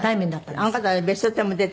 あの方は『ベストテン』も出て。